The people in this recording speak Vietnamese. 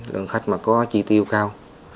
lượng khách mà có chi tiêu cao